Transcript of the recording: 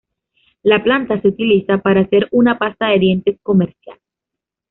La planta se utiliza para hacer una pasta de dientes comercial.